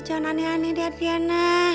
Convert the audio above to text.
jangan aneh aneh deh priyana